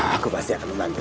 aku pasti akan membantu